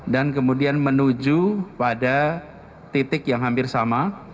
dan kemudian menuju pada titik yang hampir sama